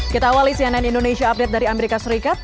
kita awali cnn indonesia update dari amerika serikat